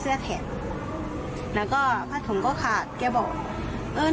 เพื่อที่พ่อไม่ได้เป็นคนทำแน่นอน